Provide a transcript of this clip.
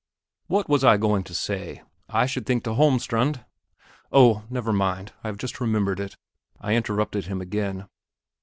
"What was I going to say? I should think to Holmestrand..." "Oh, never mind; I have just remembered it," I interrupted him again.